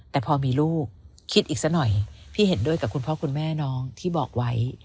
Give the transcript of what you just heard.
แต่พอมีลูกคิดอีกสักหน่อยพี่เห็นด้วยกับคุณพ่อคุณแม่น้องที่บอกไว้